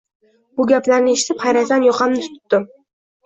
Bu gaplarni eshitib xayratdan yoqamni tutdim.